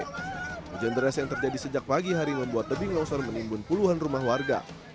hujan deras yang terjadi sejak pagi hari membuat tebing longsor menimbun puluhan rumah warga